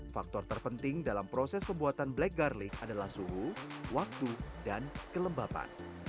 faktor terpenting dalam proses pembuatan black garlic adalah suhu waktu dan kelembapan